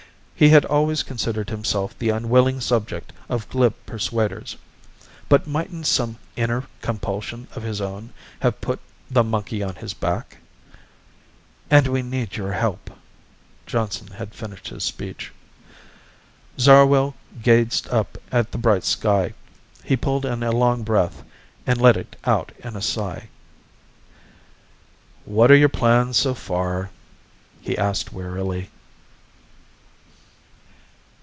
He had always considered himself the unwilling subject of glib persuaders ... but mightn't some inner compulsion of his own have put the monkey on his back? "... and we need your help." Johnson had finished his speech. Zarwell gazed up at the bright sky. He pulled in a long breath, and let it out in a sigh. "What are your plans so far?" he asked wearily.